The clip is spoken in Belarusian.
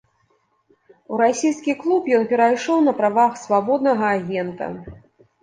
У расійскі клуб ён перайшоў на правах свабоднага агента.